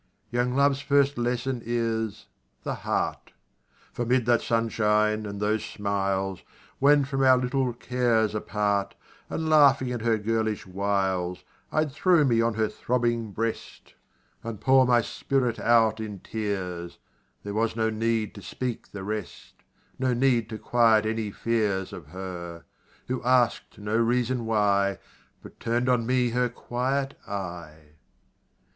Young Love's first lesson is the heart: For 'mid that sunshine, and those smiles, When, from our little cares apart, And laughing at her girlish wiles, I'd throw me on her throbbing breast, And pour my spirit out in tears There was no need to speak the rest No need to quiet any fears Of her who ask'd no reason why, But turn'd on me her quiet eye!